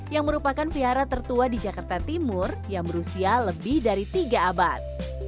yang merupakan vihara tertua di jakarta timur yang berusia lebih dari tiga abad